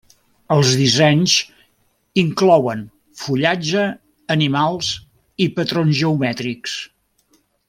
Els dissenys inclouen fullatge, animals i patrons geomètrics.